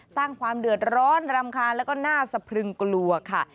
สร้างความเดือดร้อนรำคาญแล้วก็น่าสะพรึงกลัวค่ะ